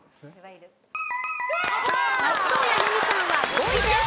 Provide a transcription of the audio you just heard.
松任谷由実さんは５位です。